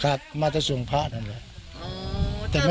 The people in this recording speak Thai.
ครับมาจากส่งพระนั่นแหละ